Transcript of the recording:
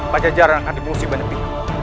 pajajaran akan dimungsi bantuan pilih